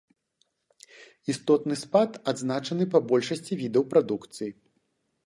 Істотны спад адзначаны па большасці відаў прадукцыі.